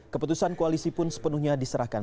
keputusan koalisi pun sepenuhnya diserahkan